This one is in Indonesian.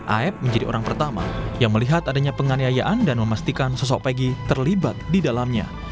aep menjadi orang pertama yang melihat adanya penganiayaan dan memastikan sosok pegi terlibat di dalamnya